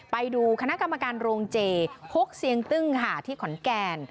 ไปดูคณะกรรมการโรงเจฮกเสียงตึ้งค่ะที่ขอนแก่น